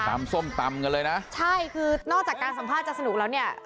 ส้มตำกันเลยนะใช่คือนอกจากการสัมภาษณ์จะสนุกแล้วเนี่ย